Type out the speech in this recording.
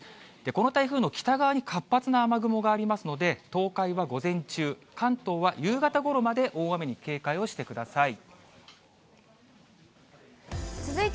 この台風の北側に活発な雨雲がありますので、東海は午前中、関東は夕方ごろまで大雨に警戒をしてください。